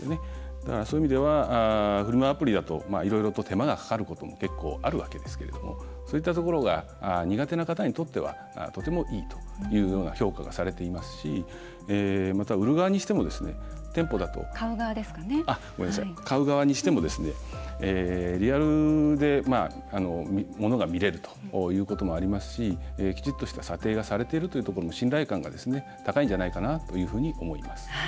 だから、そういう意味ではフリマアプリだといろいろと手間がかかることも結構、あるわけですけれどもそういったところが苦手な方にとってはとてもいいというような評価がされていますしまた、買う側にしてもリアルで物が見れるということもありますしきちっとした査定がされているということの信頼感が高いんじゃないかなというふうに思います。